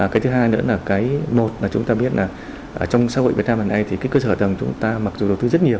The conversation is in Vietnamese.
cái thứ hai nữa là cái một là chúng ta biết là trong xã hội việt nam hiện nay thì cái cơ sở tầng chúng ta mặc dù đầu tư rất nhiều